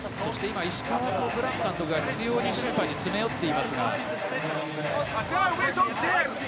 石川とブラン監督が審判に執拗に詰め寄っていますが。